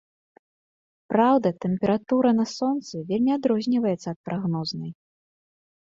Праўда, тэмпература на сонцы вельмі адрозніваецца ад прагнознай.